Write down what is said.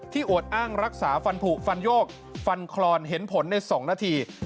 อวดอ้างรักษาฟันผูฟันโยกฟันคลอนเห็นผลใน๒นาที